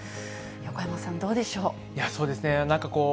横山さん、どうでしょう。